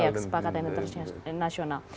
iya kesepakatan internasional